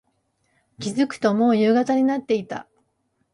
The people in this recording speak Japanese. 気付くと、もう夕方になっていた。